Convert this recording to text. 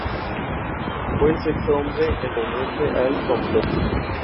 Se llama "catedral primada" porque es la primera catedral de la arquidiócesis de Brasil.